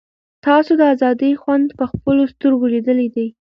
تاسو د آزادۍ خوند په خپلو سترګو لیدلی دی.